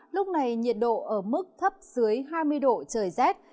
lúc này nhiệt độ ở mức thấp dưới hai mươi độ trời rét